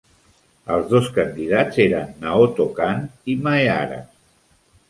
Els dos candidats eren Naoto Kan i Maehara.